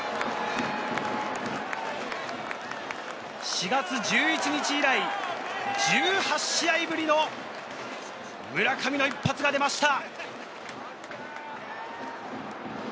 ４月１１日以来、１８試合ぶりの村上の一発が出ました！